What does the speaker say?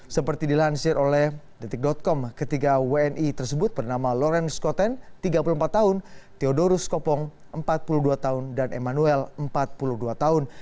seperti dilansir oleh detik com ketiga wni tersebut bernama lawrence koten tiga puluh empat tahun theodorus kopong empat puluh dua tahun dan emmanuel empat puluh dua tahun